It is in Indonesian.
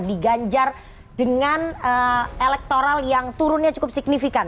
di ganjar dengan elektoral yang turunnya cukup signifikan